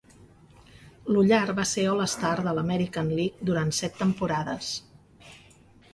Lollar va ser All-Star de l'American League durant set temporades.